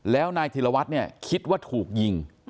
แล้วนายธิรวัตรเนี่ยคิดว่าถูกยิง